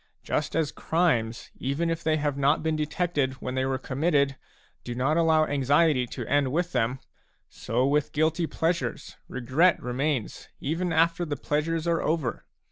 Just as crimes, even if they have not been detected when they were committed, do not allow anxiety to end with them ; so with guilty pleasures, regret remains even after the pleasures are over.